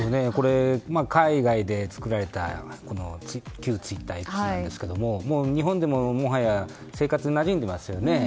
海外で作られた旧ツイッターＸなんですけれども日本でももはや生活になじんでいますよね。